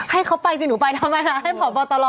ให้เขาไปสิหนูไปทำแม่งละให้พอบอตรอบไป